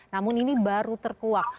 namun ini baru terkuak